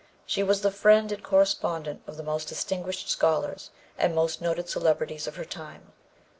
She was the friend and correspondent of the most distinguished scholars and most noted celebrities of her time.